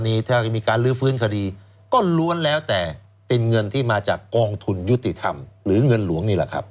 มีการลื้อฟื้นคดีก็ล้วนแล้วแต่เป็นเงินที่มาจากกองทุนยุติธรรมหรือเงินหลวงนี่แหละครับ